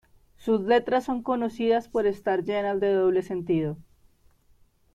Sus letras son conocidas por estar llenas de doble sentido.